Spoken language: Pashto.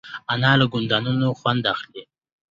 انا له ګلدانونو خوند اخلي